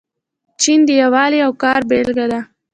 چین د یووالي او کار بیلګه ده.